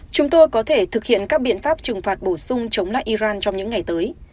chúng tôi có thể thực hiện các biện pháp trừng phạt bổ sung chống lại iran trong những ngày tới